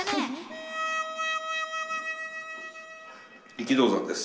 力道山です。